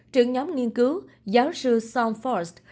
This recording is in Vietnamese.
trưởng nhóm nghiên cứu giáo sư sean forrest